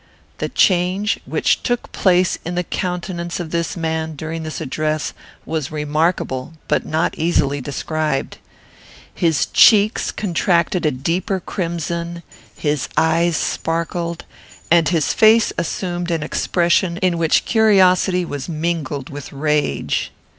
The change which took place in the countenance of this man, during this address, was remarkable, but not easily described. His cheeks contracted a deeper crimson, his eyes sparkled, and his face assumed an expression in which curiosity was mingled with rage.